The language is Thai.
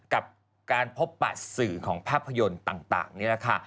กับการพบประสิทธิ์ของภาพยนต์ต่าง